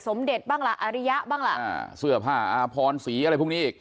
เด็ดบ้างล่ะอาริยะบ้างล่ะอ่าเสื้อผ้าอาพรสีอะไรพวกนี้อีก